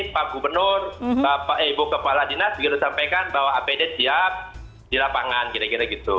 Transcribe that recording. pak gubernur ibu kepala dinas juga sudah sampaikan bahwa apd siap di lapangan kira kira gitu